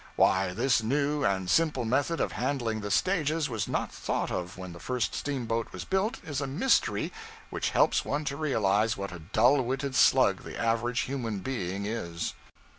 Why this new and simple method of handling the stages was not thought of when the first steamboat was built, is a mystery which helps one to realize what a dull witted slug the average human being is.